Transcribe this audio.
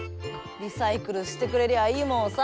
リサイクルしてくれりゃいいもんをさ。